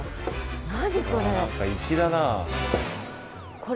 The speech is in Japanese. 何これ？